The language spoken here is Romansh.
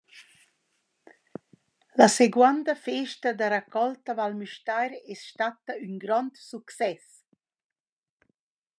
La seguonda Festa da racolta Val Müstair es statta ün grond success.